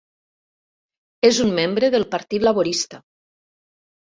És un membre del Partit Laborista.